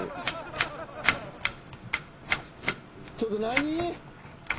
ちょっと何？